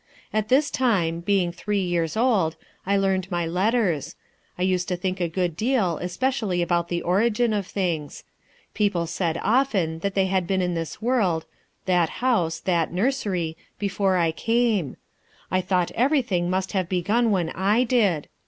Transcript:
At this time, being three years old, ... I learned my letters.... I used to think a good deal, especially about the origin of things. People said often that they had been in this world, that house, that nursery, before I came. I thought everything must have begun when I did....